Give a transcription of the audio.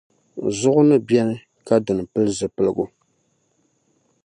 Zuɣu ni beni ka dini pili zuɣupiligu?